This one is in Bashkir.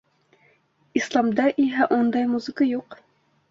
Исламда иһә ундай музыка юҡ.